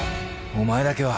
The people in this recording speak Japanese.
お前だけは。